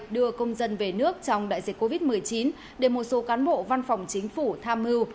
đưa công dân về nước trong đại dịch covid một mươi chín để một số cán bộ văn phòng chính phủ tham mưu